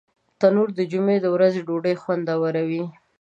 تنور د جمعې د ورځې ډوډۍ خوندوروي